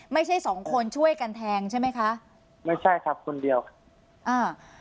ไม่ใช่สองคนช่วยกันแทงใช่ไหมคะไม่ใช่ครับคนเดียวอ่า